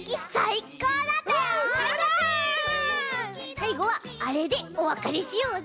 さいごはあれでおわかれしようぜ。